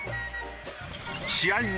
試合後